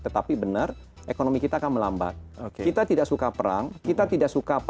tetapi benar ekonomi kita akan melambat kita tidak suka perang kita tidak suka perang